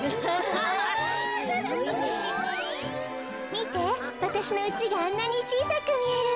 みてわたしのうちがあんなにちいさくみえる。